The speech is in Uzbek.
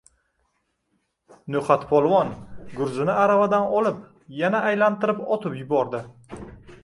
No’xatpolvon gurzini aravadan olib, yana aylantirib otib yuboribdi.